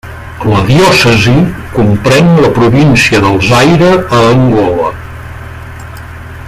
La diòcesi comprèn la província del Zaire a Angola.